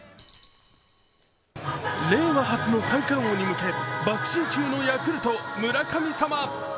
令和初の三冠王に向けばく進中のヤクルト・村神様。